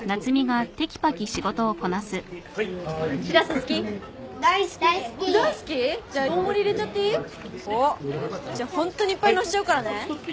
おっじゃあホントにいっぱいのせちゃうからね。